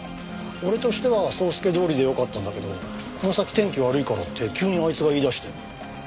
俺としては総スケどおりでよかったんだけどこの先天気悪いからって急にあいつが言い出して。